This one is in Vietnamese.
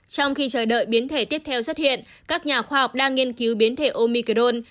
trong khi chờ đợi biến thể tiếp theo xuất hiện các nhà khoa học đang nghiên cứu biến thể omicrone